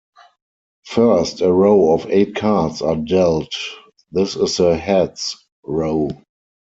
First, a row of eight cards are dealt; this is the "Heads" row.